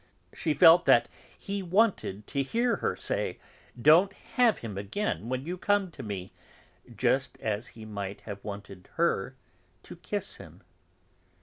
She felt that he wanted to hear her say: "Don't have him again when you come to me," just as he might have wanted her to kiss him.